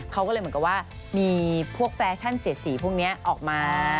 เขาก็เลยเหมือนกับว่ามีพวกแฟชั่นเสียดสีพวกนี้ออกมา